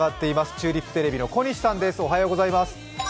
チューリップテレビの小西さんです。